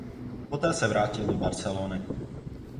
Poté se vrátil do Barcelony.